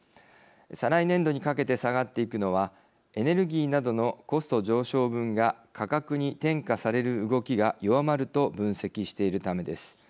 再来年度にかけて下がっていくのはエネルギーなどのコスト上昇分が価格に転嫁される動きが弱まると分析しているためです。